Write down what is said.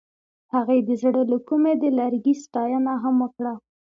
هغې د زړه له کومې د لرګی ستاینه هم وکړه.